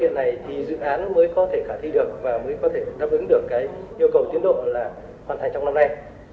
với những điều kiện này thì dự án mới có thể khả thi được và mới có thể đáp ứng được cái yêu cầu tiến độ là hoàn thành trong năm nay